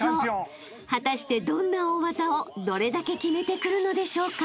［果たしてどんな大技をどれだけ決めてくるのでしょうか？］